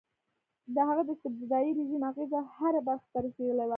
د هغه د استبدادي رژیم اغېزه هرې برخې ته رسېدلې وه.